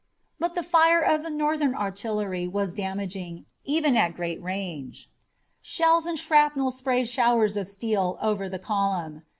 But the fire of the Northern artillery was damaging, even at great range. Shells and shrapnel sprayed showers of steel over the column.